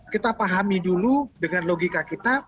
kita pahami dulu dengan logika kita